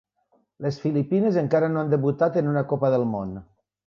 Les Filipines encara no han debutat en una Copa del Món.